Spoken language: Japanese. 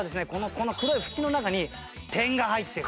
この黒いふちの中に点が入ってる。